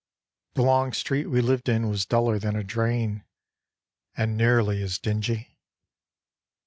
The long street we lived in Was duller than a drain And nearly as dingy.